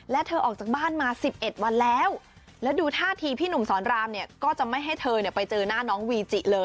และเธอออกจากบ้านมาสิบเอ็ดวันแล้วและดูท่าที่พี่หนุ่มสอนรามเนี่ยก็จะไม่ให้เธอไป